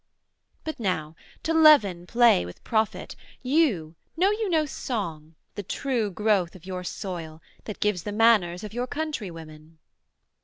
But now to leaven play with profit, you, Know you no song, the true growth of your soil, That gives the manners of your country women?'